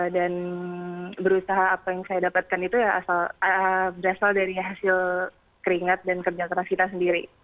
dan berusaha apa yang saya dapatkan itu ya berasal dari hasil keringat dan kerja teras kita sendiri